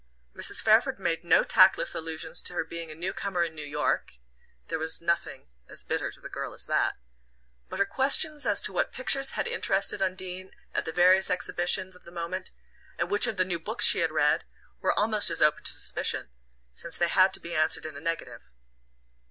Mrs. Fairford made no tactless allusions to her being a newcomer in New York there was nothing as bitter to the girl as that but her questions as to what pictures had interested Undine at the various exhibitions of the moment, and which of the new books she had read, were almost as open to suspicion, since they had to be answered in the negative.